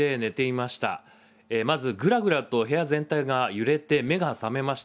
まずぐらぐらと部屋全体が揺れて、目が覚めました。